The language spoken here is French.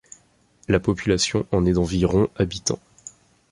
La population en est d'environ habitants.